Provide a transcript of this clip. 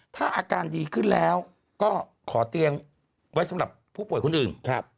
ถ้าอาการดีขึ้นแล้วก็ขอเตียงไว้สำหรับผู้ป่วยคนอื่น